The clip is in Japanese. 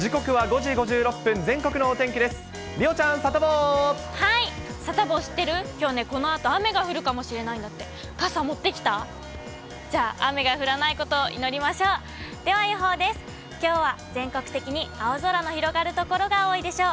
じゃあ、雨が降らないことを祈りましょう。